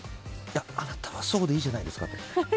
あなたはそうでいいじゃないですかと。